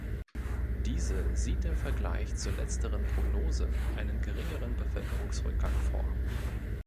Diese sieht im Vergleich zur letzteren Prognose einen geringeren Bevölkerungsrückgang vor.